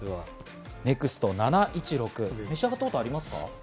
ＮＥＸＴ７１６、召し上がったことありますか？